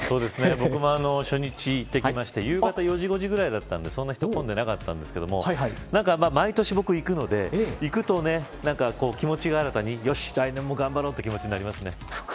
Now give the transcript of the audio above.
僕も初日、行ってきまして夕方４時、５時ぐらいだったんでそんなに人混んでなかったんですけど毎年、僕行くので行くとね、気持ちが新たによし、来年も頑張ろうという気持ちになりますね。